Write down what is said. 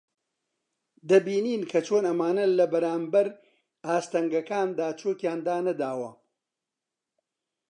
دەبینین کە چۆن ئەمانە لە بەرانبەر ئاستەنگەکاندا چۆکیان دانەداوە